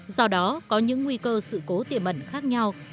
do đó có những nguy cơ sự cố tiềm ẩn khác nhau